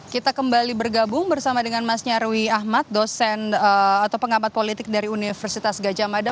kita kembali bergabung bersama dengan mas nyarwi ahmad dosen atau pengamat politik dari universitas gajah mada